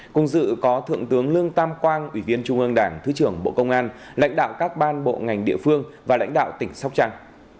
cùng dự có thượng tướng lương tam quang ủy viên trung ương đảng thứ trưởng bộ công an lãnh đạo các ban bộ ngành địa phương và lãnh đạo tỉnh sóc trăng